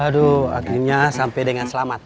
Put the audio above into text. aduh akhirnya sampai dengan selamat